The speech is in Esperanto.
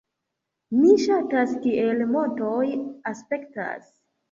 Mi ŝatas kiel montoj aspektas